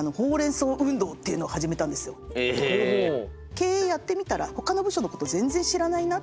「経営やってみたらほかの部署のこと全然知らないな」っていう。